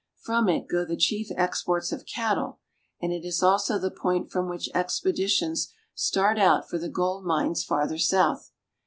From it go the chief exports of cattle, and it is also the point from which expeditions start out for the gold mines farther south.